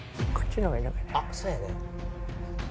あっそうやね。